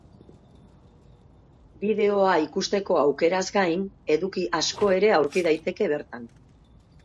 Bideoa ikusteko aukeraz gain, eduki asko ere aurki daiteke bertan.